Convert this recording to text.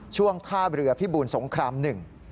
ช่วงท่าเรือภิบูรณ์สงคราม๑